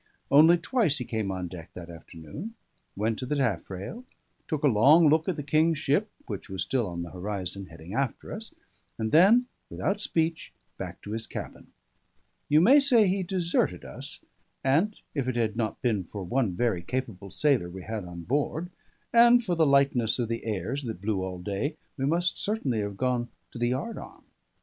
Only twice he came on deck that afternoon; went to the taffrail; took a long look at the King's ship, which was still on the horizon heading after us; and then, without speech, back to his cabin. You may say he deserted us; and if it had not been for one very capable sailor we had on board, and for the lightness of the airs that blew all day, we must certainly have gone to the yard arm.